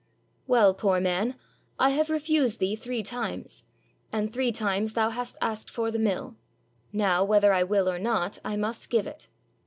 "Well, poor man, I have refused thee three times, and three times thou hast asked for the mill; now, whether I will or not, I must give it.